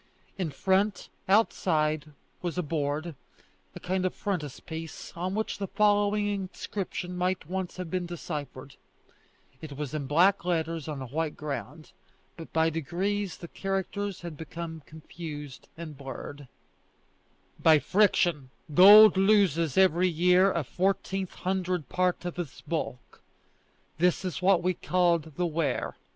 In front, outside, was a board, a kind of frontispiece, on which the following inscription might once have been deciphered; it was in black letters on a white ground, but by degrees the characters had become confused and blurred: "By friction gold loses every year a fourteen hundredth part of its bulk. This is what is called the Wear.